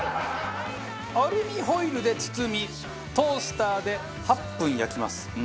アルミホイルで包みトースターで８分焼きます。